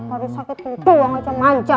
baru sakit gitu aja manja